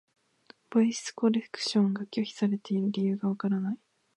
ボイスコレクションが拒否されている理由がわからない。